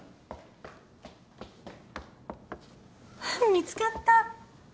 見つかった。